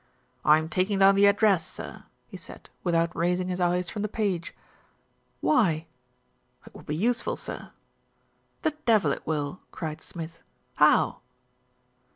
"I am taking down the address, sir," he said, with out raising his eyes from the page. "Why?" "It will be useful, sir." "The devil it will !" cried Smith. "How?"